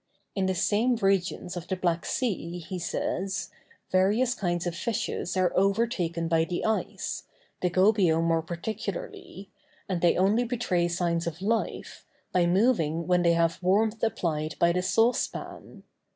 In the same regions of the Black Sea, he says, various kinds of fishes are overtaken by the ice, the gobio more particularly, and they only betray signs of life, by moving when they have warmth applied by the saucepan.